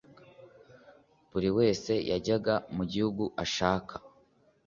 buri wese yajyanwa mu gihugu ashaka